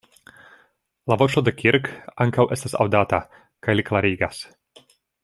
La voĉo de Kirk ankaŭ estas aŭdata, kaj li klarigas.